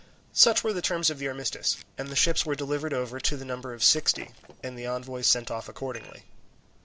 Such were the terms of the armistice, and the ships were delivered over to the number of sixty, and the envoys sent off accordingly.